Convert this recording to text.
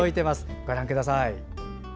ご覧ください。